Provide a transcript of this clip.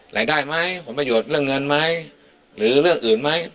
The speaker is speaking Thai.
รายได้ไหมผลประโยชน์เรื่องเงินไหมหรือเรื่องอื่นไหม